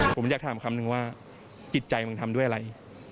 ผมอยากถามคำนึงว่าจิตใจมึงทำด้วยอะไร